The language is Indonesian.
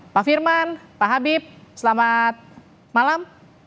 pak firman pak habib selamat malam